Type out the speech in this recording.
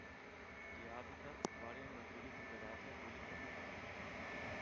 Gli habitat variano da quelli temperati a quelli tropicali.